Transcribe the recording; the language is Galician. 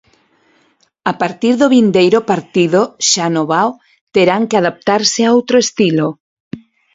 A partir do vindeiro partido, xa no Vao, terán que adaptarse a outro estilo.